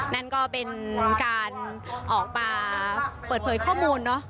นั่นก็เป็นการออกมาเปิดเผยข้อมูลเนอะ